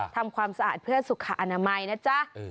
ทำความสะอาดเพื่อสุขอนามัยนะจ๊ะ